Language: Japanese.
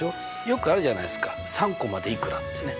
よくあるじゃないですか３個までいくらってね。